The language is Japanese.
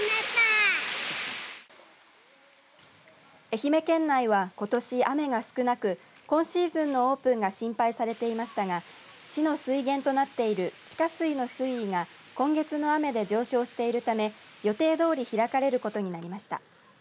愛媛県内は、ことし雨が少なく今シーズンのオープンが心配されていましたが市の水源となっている地下水の水位が今月の雨で上昇しているため予定どおり開かれることになりました。